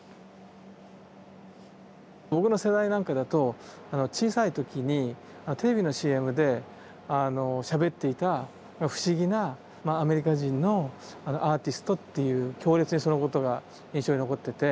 僕の世代なんかだと小さい時にテレビのＣＭでしゃべっていた不思議なアメリカ人のアーティストっていう強烈にそのことが印象に残ってて。